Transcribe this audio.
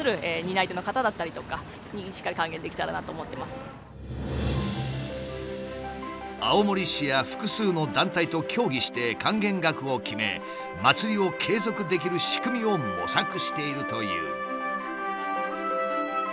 すごい！青森市や複数の団体と協議して還元額を決め祭りを継続できる仕組みを模索しているという。